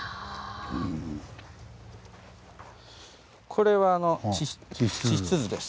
これは地質図です。